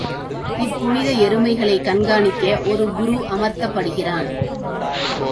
இப்புனித எருமைகளைக் கண்காணிக்க ஒரு குரு அமர்த்தப்படுகிறான்.